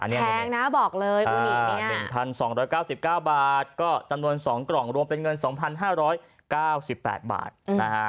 แพงนะบอกเลยอูนิคเนี่ยะอ่า๑๒๙๙บาทก็จำนวน๒กล่องรวมเป็นเงิน๒๕๙๘บาทนะฮะ